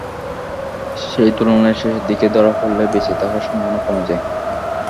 সেই তুলনায় শেষের দিকে ধরা পড়লে বেঁচে থাকার সম্ভাবনা কমে যায়।